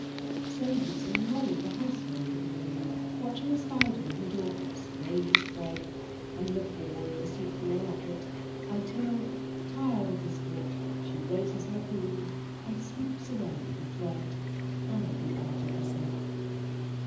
So you see Molly, the housemaid, of a morning, watching a spider in the doorpost lay his thread and laboriously crawl up it, until, tired of the sport, she raises her broom and sweeps away the thread and the artificer.